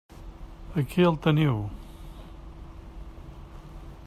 Aquí el teniu.